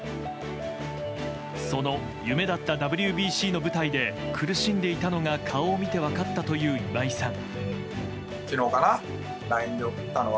その夢だったＷＢＣの舞台で苦しんでいたのが顔を見て分かったという今井さん。